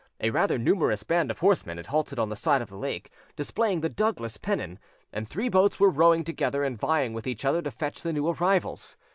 A rather numerous band of horsemen had halted on the side of the lake, displaying the Douglas pennon, and three boats were rowing together and vying with each other to fetch the new arrivals.